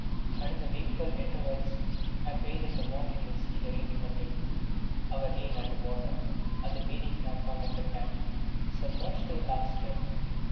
And in the wakeful intervals I pray that the morning may see the rain continue, our lane under water, and the bathing platform of the tank submerged to the last step.